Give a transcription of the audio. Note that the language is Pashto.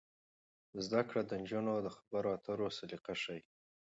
زده کړه د نجونو د خبرو اترو سلیقه ښه کوي.